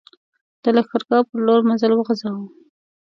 د لښکرګاه پر لور مزل وغځاوه.